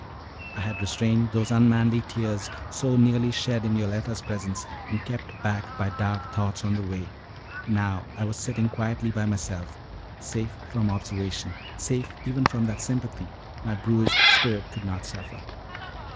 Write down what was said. I had restrained those unmanly tears, so nearly shed in Yoletta's presence, and kept back by dark thoughts on the way; now I was sitting quietly by myself, safe from observation, safe even from that sympathy my bruised spirit could not suffer.